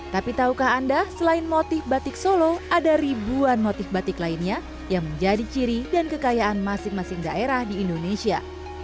tapi tahukah anda selain motif batik solo ada ribuan motif batik lainnya yang menjadi ciri dan kekayaan masing masing daerah di indonesia